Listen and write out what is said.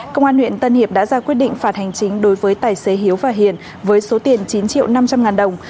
công an huyện tân hiệp đã ra quyết định phạt hành chính đối với tài xế hiếu và hiền với số tiền chín triệu năm trăm linh ngàn đồng